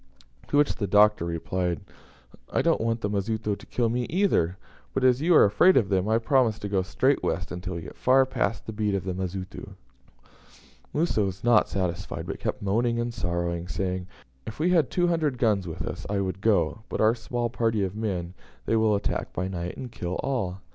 To which the Doctor replied, "I don't want the Mazitu to kill me either; but, as you are afraid of them, I promise to go straight west until we get far past the beat of the Mazitu." Musa was not satisfied, but kept moaning and sorrowing, saying, "If we had two hundred guns with us I would go; but our small party of men they will attack by night, and kill all."